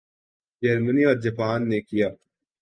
جرمنی اور جاپان نے کیا